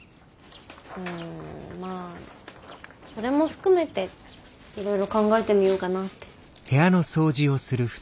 うんまあそれも含めていろいろ考えてみようかなって。